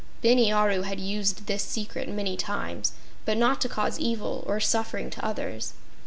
Bini Aru had used this secret many times, but not to cause evil or suffering to others.